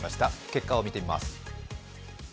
結果を見てみます。